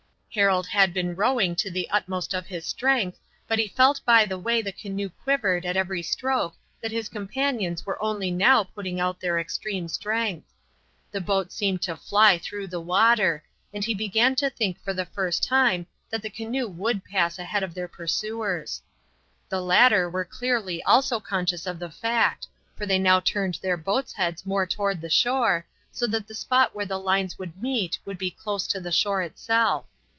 Harold had been rowing to the utmost of his strength, but he felt by the way the canoe quivered at every stroke that his companions were only now putting out their extreme strength. The boat seemed to fly through the water, and he began to think for the first time that the canoe would pass ahead of their pursuers. The latter were clearly also conscious of the fact, for they now turned their boats' heads more toward the shore, so that the spot where the lines would meet would be close to the shore itself.